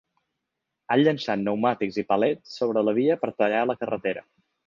Han llançat pneumàtics i palets sobre la via per tallar la carretera.